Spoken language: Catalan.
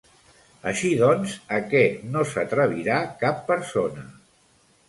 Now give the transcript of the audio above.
Així doncs, a què no s'atrevirà cap persona?